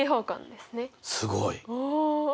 すごい！お！